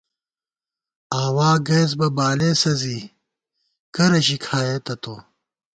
آوا گَئیس بہ بالېسہ زی ، کرہ ژی کھائېتہ تو